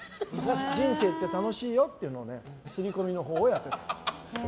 人生って楽しいよって刷り込みのほうをやってた。